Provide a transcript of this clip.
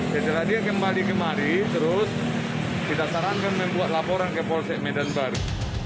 jadi tadi yang kembali kemari terus kita sarankan membuat laporan ke polsek medan baru